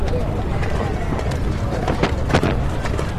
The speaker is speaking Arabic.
قَالَ أَفَرَأَيْتُمْ مَا كُنْتُمْ تَعْبُدُونَ